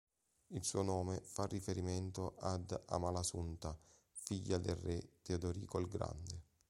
Il suo nome fa riferimento ad Amalasunta, figlia del re Teodorico il Grande.